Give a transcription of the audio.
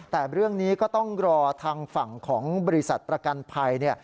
แต่เรื่องนี้ก็ต้องรอทางฝั่งของบริษัทประกันภัย